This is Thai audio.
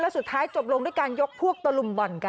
แล้วสุดท้ายจบลงด้วยการยกพวกตฤมษ์บอลน